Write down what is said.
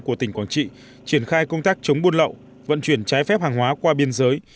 của tỉnh quảng trị triển khai công tác chống buôn lậu vận chuyển trái phép hàng hóa qua biên giới